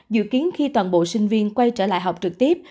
dự kiến khi toàn bộ sinh viên quay trở lại học trực tiếp